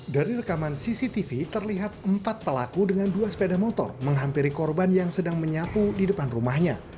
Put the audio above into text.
dari rekaman cctv terlihat empat pelaku dengan dua sepeda motor menghampiri korban yang sedang menyapu di depan rumahnya